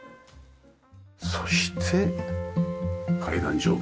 そして階段上部。